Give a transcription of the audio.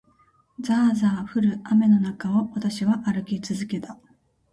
ざあざあ降る雨の中を、私は歩き続けた。